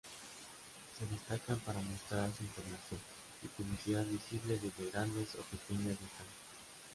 Se destacan para mostrar información y publicidad visible desde grandes o pequeñas distancias.